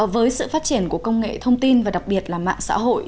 với sự phát triển của công nghệ thông tin và đặc biệt là mạng xã hội